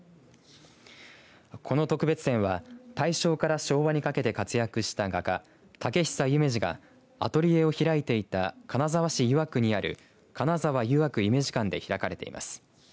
この特別展は、大正から昭和にかけて活躍した画家竹久夢二がアトリエを開いていた金沢市湯涌にある金沢湯涌夢二館で開かれています。